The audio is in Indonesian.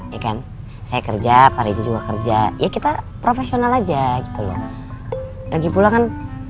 ya kan saya kerja pak rizal juga kerja ya kita profesional aja gitu lagi pulangkan